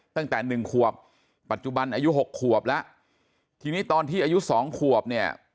ตั้งแต่หนึ่งขวบปัจจุบันอายุหกขวบแล้วทีนี้ตอนที่อายุสองขวบเนี่ย